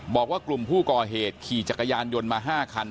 บอกว่ากลุ่มผู้ก่อเหตุขี่จักรยานยนต์มา๕คัน